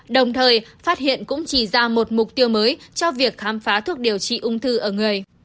đồng thời phát hiện cũng chỉ ra một mục tiêu mới cho việc khám phá thuốc điều trị ung thư ở người